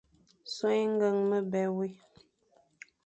So é ñgeñ me be wé,